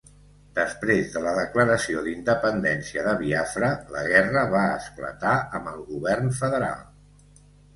Després de la declaració d'independència de Biafra, la guerra va esclatar amb el Govern Federal.